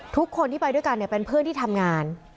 ทุกคนที่ไปด้วยกันเป็นเพื่อนที่ทำงาน